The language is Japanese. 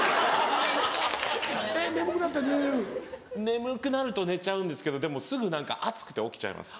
眠くなると寝ちゃうんですけどでもすぐ暑くて起きちゃいます。